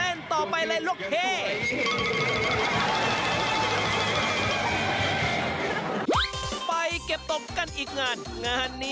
เฮ่ยเกรี๊ยมฮูเฮ้ยเป็นไงละไง